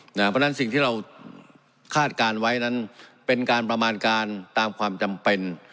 เพราะฉะนั้นสิ่งที่เราคาดการณ์ไว้นั้นเป็นการประมาณการตามความจำเป็น